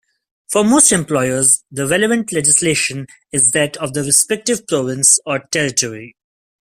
For most employers, the relevant legislation is that of the respective province or territory.